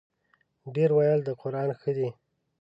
ـ ډېر ویل د قران ښه دی.